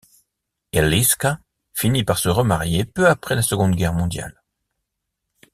Eliška finit par se remarier peu après la Seconde Guerre mondiale.